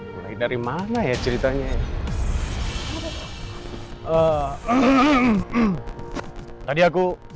mulai dari mana ya ceritanya ya